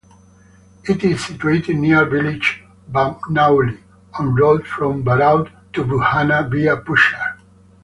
It is situated near village Bamnauli on road from Baraut to Budhana via Puchar.